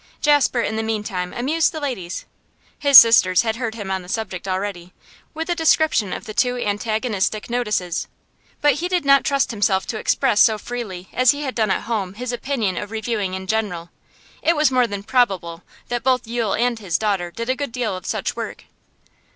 Jasper in the meantime amused the ladies (his sisters had heard him on the subject already) with a description of the two antagonistic notices. But he did not trust himself to express so freely as he had done at home his opinion of reviewing in general; it was more than probable that both Yule and his daughter did a good deal of such work.